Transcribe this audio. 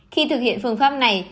khi thực hiện phương pháp này